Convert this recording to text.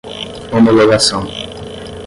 homologação